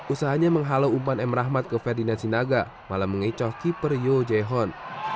usahanya menghalau umpan m rahmat ke ferdinand sinaga malah mengecoh keeper yo jahon